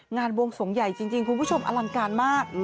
วงสวงใหญ่จริงคุณผู้ชมอลังการมาก